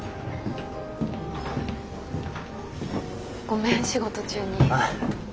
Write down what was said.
ごめん仕事中に。